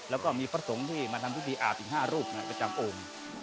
แล้วก็มีผสงที่มาทำทุกทีอาบอีก๕รูปในประจำอุ่ม